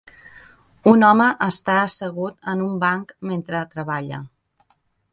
Un home està assegut en un banc mentre treballa.